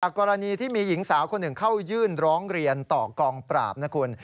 กรณีที่มีหญิงสาวคนหนึ่งเข้ายื่นร้องเรียนต่อกองปราบนะคุณ